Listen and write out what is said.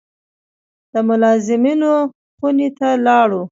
د ملازمینو خونې ته لاړو.